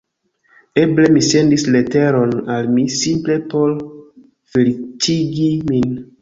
Eble mi sendis leteron al mi simple por feliĉigi min.